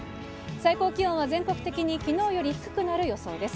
最高気温は全国的にきのうより低くなる予想です。